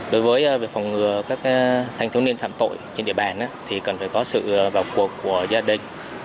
đối với việc phòng ngừa các thanh thiếu niên phạm tội trên địa bàn thì cần phải có sự vào cuộc của gia đình